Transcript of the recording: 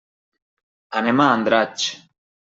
Anem a Andratx.